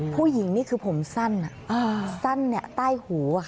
ผู้หญิงนี่คือผมสั้นสั้นเนี่ยใต้หูอะค่ะ